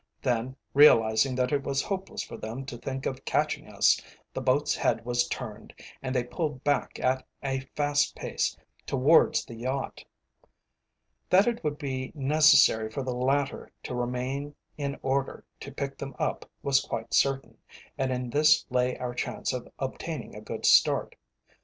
Then, realizing that it was hopeless for them to think of catching us, the boat's head was turned, and they pulled back at a fast pace towards the yacht. That it would be necessary for the latter to remain in order to pick them up was quite certain, and in this lay our chance of obtaining a good start.